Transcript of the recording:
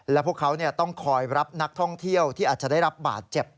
และพวกเขาต้องคอยรับนักท่องเที่ยวที่อาจจะได้รับบาดเจ็บ